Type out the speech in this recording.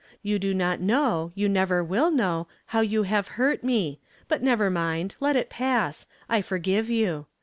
You do not know, you never will know, liow you have hurt me _ but never mind • let it pass ; 1 forgive you.